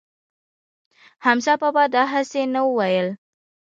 حمزه بابا دا هسې نه وييل